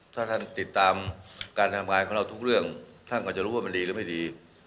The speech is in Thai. ถ้าท่านติดตามการทำงานของเราทุกเรื่องท่านก็จะรู้ว่ามันดีหรือไม่ดี